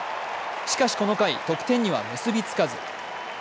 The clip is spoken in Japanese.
しかし、この回、得点には結びつかず。